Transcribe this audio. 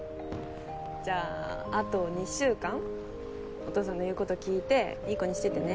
じゃああと２週間お父さんの言うこと聞いていい子にしててね。